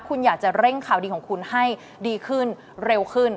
คุณอยากจะเร่งข่าวดีของคุณให้ดีขึ้นเร็วขึ้น